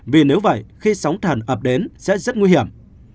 vì nếu vậy khi sóng thần ập đến sẽ rất nguy hiểm